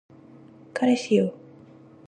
彼氏よ